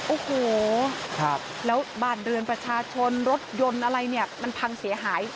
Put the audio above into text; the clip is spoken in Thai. โอ้โหแล้วบ้านเรือนประชาชนรถยนต์อะไรเนี่ยมันพังเสียหาย